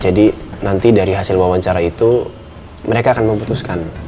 jadi nanti dari hasil wawancara itu mereka akan memutuskan